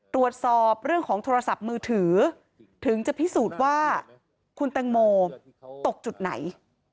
ตรวจสอบเรื่องของโทรศัพท์มือถือถึงจะพิสูจน์ว่าคุณแตงโมตกจุดไหน